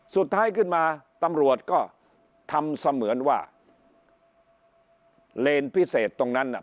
สุดท้ายขึ้นมาตำรวจก็ทำเสมือนว่าเลนพิเศษตรงนั้นน่ะ